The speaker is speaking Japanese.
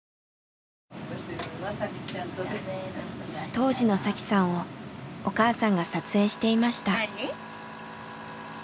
当時の紗輝さんをお母さんが撮影していました。